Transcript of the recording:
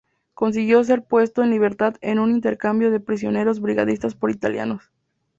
Consiguió ser puesto en libertad en un intercambio de prisioneros brigadistas por italianos.